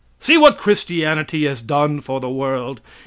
See what Christianity has done for the world!